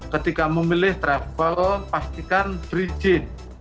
ketika memilih travel pastikan berizin